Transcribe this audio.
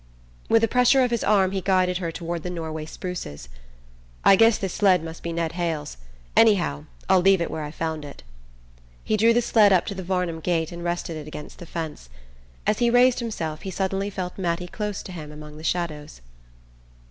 With a pressure of his arm he guided her toward the Norway spruces. "I guess this sled must be Ned Hale's. Anyhow I'll leave it where I found it." He drew the sled up to the Varnum gate and rested it against the fence. As he raised himself he suddenly felt Mattie close to him among the shadows.